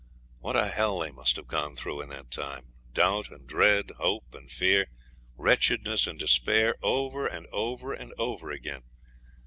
What a hell they must have gone through in that time doubt and dread, hope and fear, wretchedness and despair, over and over and over again.